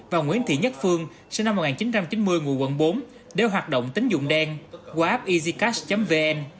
và nguyễn thị nhất phương sinh năm một nghìn chín trăm chín mươi ngụ quận bốn đều hoạt động tính dụng đen qua app easycas vn